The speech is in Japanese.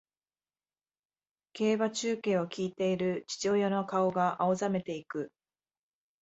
競馬中継を聞いている父親の顔が青ざめていく